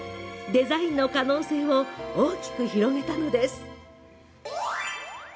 デザインの可能性を大きく広げたのです。